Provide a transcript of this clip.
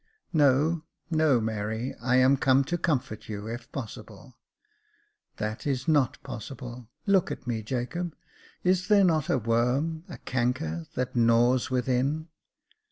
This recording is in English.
" No, no, Mary ; I am come to comfort you, if possible." "That is not possible. Look at me, Jacob. Is there not a worm — a canker — that gnaws within